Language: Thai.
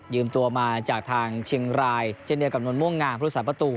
ยืมตัวมาจากทางเชียงรายเช่นเดียวกับน้องม่วงงาพรุษศาสตร์ประตู